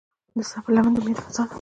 د صبر لمن د امید فضا ده.